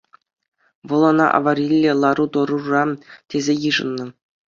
Вӑл ӑна авариллӗ лару-тӑрура тесе йышӑннӑ.